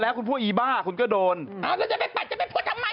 อ้าวแล้วจะไปปัดจะไปพูดทำไม